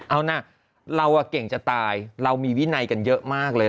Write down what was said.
เอานะเราเก่งจะตายเรามีวินัยกันเยอะมากเลย